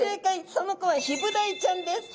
その子はヒブダイちゃん？